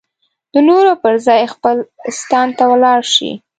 د نورو پر ځای خپل ستان ته ولاړ شي.